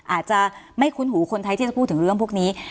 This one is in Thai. อาจจะไม่คุ้นหูคนไทยที่จะพูดถึงเรื่องพวกนี้